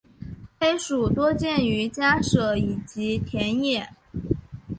黑鼠多见于家舍以及田野。